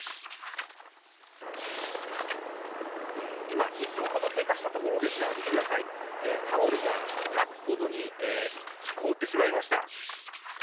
今、１分ほど経過したところですが、見てください、タオルが立つほどに凍ってしまいました。